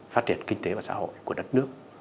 phát triển kinh tế và xã hội của đất nước